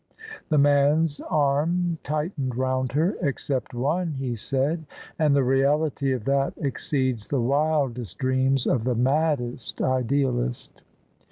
The man's arm tightened round her: " Except one," he said :" and the reality of that exceeds the wildest dreams of the maddest idealist."